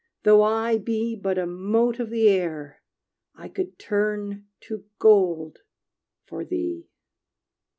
Though I be but a mote of the air, I could turn to gold for thee!